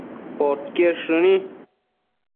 podquied shëni